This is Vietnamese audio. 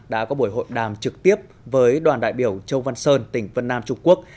đã có buổi hội đàm trực tiếp với đoàn đại biểu châu văn sơn tỉnh vân nam trung quốc